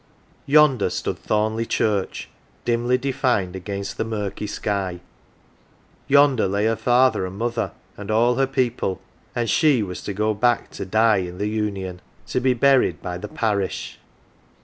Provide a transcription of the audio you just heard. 164 AUNT JINNY Yonder stood Thornleigh Church dimly defined against the murky sky ; yonder lay her father and mother and all her people ; and she was to go back to die in the Union, to be buried by the Parish